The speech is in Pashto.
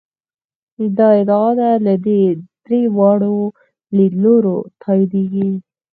دا ادعا له درې واړو لیدلورو تاییدېږي.